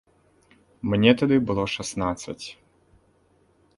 Мне тады было шаснаццаць.